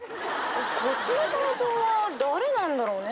こっちの銅像は誰なんだろうね？